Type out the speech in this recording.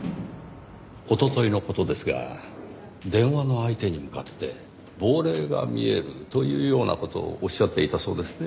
おとといの事ですが電話の相手に向かって「亡霊が見える」というような事をおっしゃっていたそうですね。